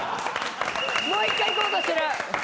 もう一回いこうとしてる！